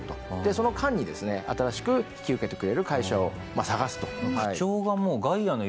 その間にですね新しく引き受けてくれる会社を探すと。